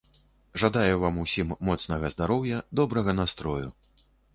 Жадаю вам усім моцнага здароўя, добрага настрою.